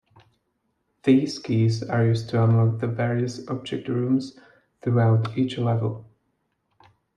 These keys are used to unlock the various object rooms throughout each level.